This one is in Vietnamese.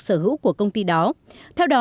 sở hữu của công ty đó theo đó